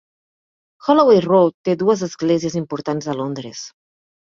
Holloway Road té dues esglésies importants de Londres.